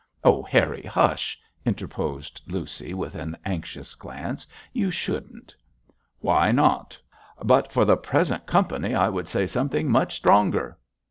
'Oh, Harry! Hush!' interposed Lucy, with an anxious glance, 'You shouldn't.' 'Why not? But for the present company I would say something much stronger.'